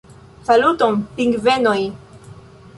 Saluton, pingvenoj!